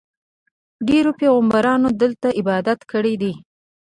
ډېرو پیغمبرانو دلته عبادت کړی دی.